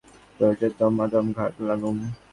দরজায় দমাদম ঘা লাগালুম।